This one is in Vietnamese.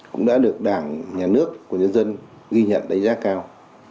cũng đã được đảng nhà nước và nhân dân ghi nhận đáy giá cao